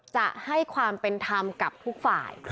จะให้ความเป็นธรรมกับทุกฝ่าย